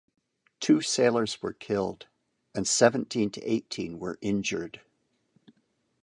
Two sailors were killed and seventeen to eighteen were injured.